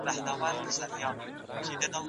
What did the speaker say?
سياست د خلکو د هوساينې له پاره بايد وکارول سي.